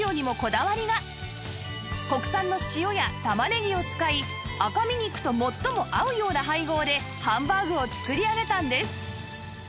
国産の塩や玉ねぎを使い赤身肉と最も合うような配合でハンバーグを作り上げたんです